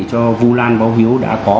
cho vô lan báo hiếu đã có